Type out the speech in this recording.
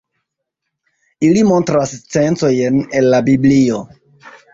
Ili montras scencojn el la Biblio.